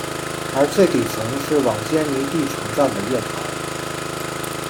而最底层是往坚尼地城站的月台。